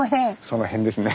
その辺ですね。